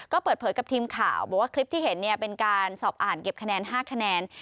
ก็เปิดเผยกับทีมข่าวบอกว่าคลิปที่เห็นเป็นการสอบอ่านเก็บคะแนน๕คะแนน